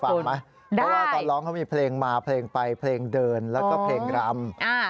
ฟังไหมเพราะว่าตอนร้องเขามีเพลงมาเพลงไปเพลงเดินแล้วก็เพลงรำ